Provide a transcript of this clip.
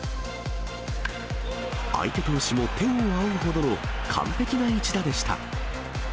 相手投手も天を仰ぐほどの完璧な一打でした。